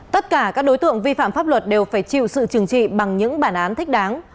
tất cả các đối tượng vi phạm pháp luật đều phải chịu sự trừng trị bằng những bản án thích đáng